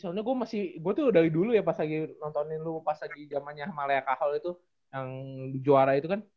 soalnya gue masih gue tuh dari dulu ya pas lagi nontonin lu pas lagi jamannya malea kahal itu yang juara itu kan